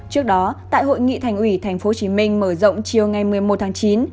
trước đó tại hội nghị thành ủy tp hcm mở rộng chiều ngày một mươi một tháng chín